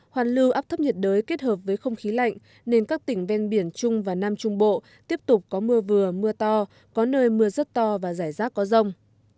hoàn lưu áp thấp nhiệt đới kết hợp với không khí lạnh nên các tỉnh ven biển trung và nam trung bộ tiếp tục có mưa vừa mưa to có nơi mưa rất to và rải rác có rông